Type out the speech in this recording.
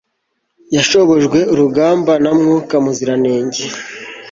Yashobojwe urugamba na Mwuka Muziranenge